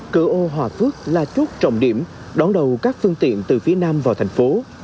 cửa ô hòa phước là chốt trọng điểm đón đầu các phương tiện từ phía nam vào thành phố